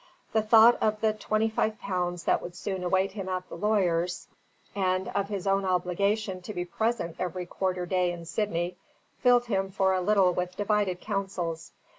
The thought of the seventy five pounds that would soon await him at the lawyer's, and of his own obligation to be present every quarter day in Sydney, filled him for a little with divided councils.